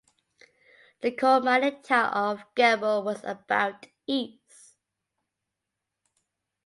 The coal mining town of Gebo was about east.